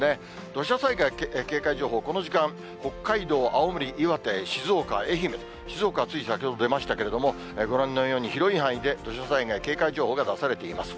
土砂災害警戒情報、この時間、北海道、青森、岩手、静岡、愛媛、静岡はつい先ほど出ましたけれども、ご覧のように広い範囲で土砂災害警戒情報が出されています。